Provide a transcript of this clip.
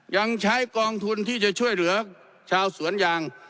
ยังใช้กองทุนที่จะช่วยเหลือชาวสวนยาง